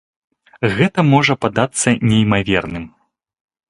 Гэта можа падацца неймаверным.